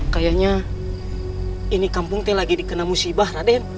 kayaknya ini kampung ini lagi dikenal musibah raden